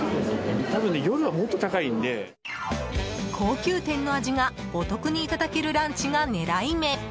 高級店の味がお得にいただけるランチが狙い目。